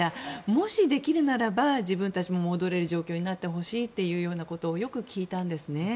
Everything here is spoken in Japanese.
もしできるならば自分たちも戻れる状況になってほしいということをよく聞いたんですね。